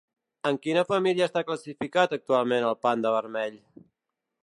En quina família està classificat actualment el panda vermell?